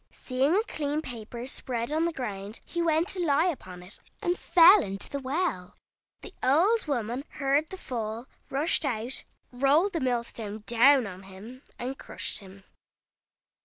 Seeing a clean paper spread on the ground, he went to lie upon it, and fell into the well. The old woman heard the fall, rushed out, rolled the mill stone down on him, and crushed him.